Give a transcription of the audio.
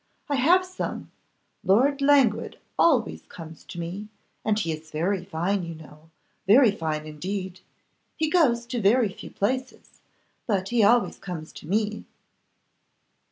I have some; Lord Languid always comes to me, and he is very fine, you know, very fine indeed. He goes to very few places, but he always comes to me.